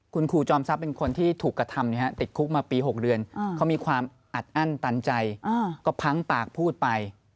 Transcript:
คุณครูจอมทรัพย์เป็นคนที่ถูกกระทำติดคุกมาปี๖เดือนเขามีความอัดอั้นตันใจก็พังปากพูดไป